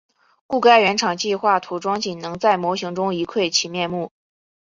故该原厂计画涂装仅能在模型中一窥其面目。